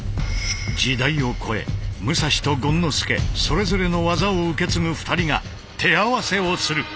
時代を超え武蔵と権之助それぞれの技を受け継ぐ２人が手合わせをする。